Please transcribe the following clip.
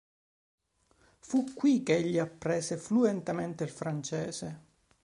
Fu qui che egli apprese fluentemente il francese.